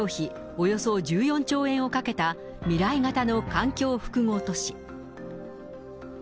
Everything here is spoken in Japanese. およそ１４兆円をかけた未来型の環境複合都市。